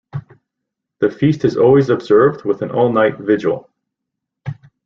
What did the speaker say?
The feast is always observed with an All-night vigil.